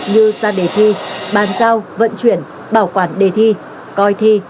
như ra đề thi bàn giao vận chuyển bảo quản đề thi coi thi